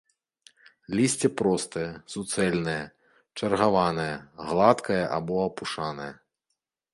Лісце простае, суцэльнае, чаргаванае, гладкае або апушанае.